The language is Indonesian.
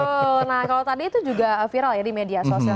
betul nah kalau tadi itu juga viral ya di media sosial